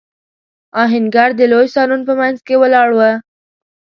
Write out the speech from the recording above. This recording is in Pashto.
آهنګر د لوی سالون په مينځ کې ولاړ و.